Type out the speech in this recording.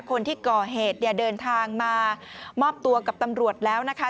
คนที่ก่อเหตุเนี่ยเดินทางมามอบตัวกับตำรวจแล้วนะคะ